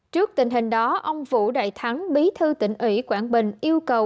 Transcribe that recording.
trước tình hình đó ông vũ đại thắng bí thư tỉnh ủy quảng bình yêu cầu